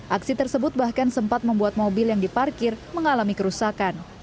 aksi tersebut bahkan sempat membuat mobil yang diparkir mengalami kerusakan